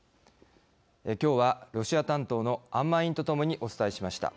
きょうは、ロシア担当の安間委員とともにお伝えしました。